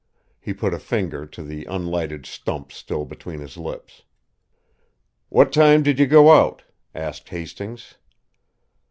He put a finger to the unlighted stump still between his lips. "What time did you go out?" asked Hastings.